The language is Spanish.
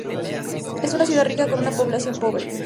Es una ciudad rica con una población pobre.